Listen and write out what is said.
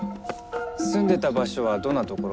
住んでた場所はどんなところ？